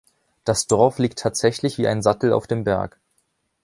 Das Dorf liegt tatsächlich wie ein Sattel auf dem Berg.